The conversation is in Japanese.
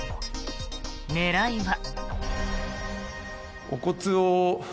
狙いは。